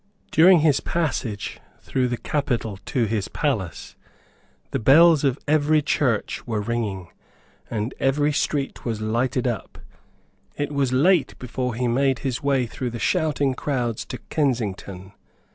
During his passage through the capital to his palace, the bells of every church were ringing, and every street was lighted up. It was late before he made his way through the shouting crowds to Kensington.